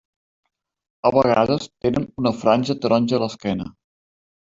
A vegades tenen una franja taronja a l'esquena.